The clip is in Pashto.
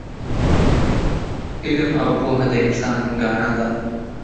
علم او پوه د انسان ګاڼه ده